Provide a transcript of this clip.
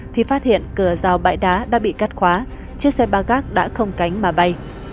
thì phát hiện cửa rào bãi đá đã bị cắt khóa chiếc xe ba gác đã không cánh mà bay